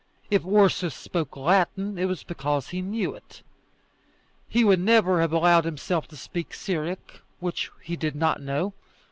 If Ursus spoke Latin, it was because he knew it. He would never have allowed himself to speak Syriac, which he did not know.